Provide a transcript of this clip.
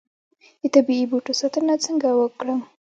د طبیعي بوټو ساتنه څنګه وکړم؟